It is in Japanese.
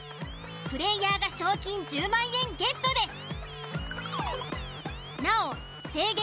プレイヤーが賞金１０万円ゲットです。